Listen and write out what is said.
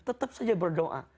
tetap saja berdoa